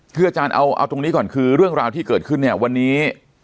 คืออาจารย์เอาตรงนี้ก่อนคือเรื่องราวที่เกิดขึ้นเนี่ยวันนี้